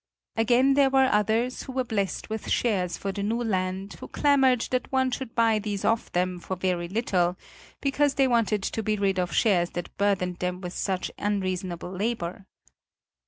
Again there were others who were blessed with shares for the new land who clamoured that one should buy these of them for very little, because they wanted to be rid of shares that burdened them with such unreasonable labor.